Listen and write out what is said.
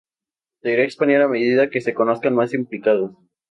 Se irá expandiendo a medida que se conozcan más implicados.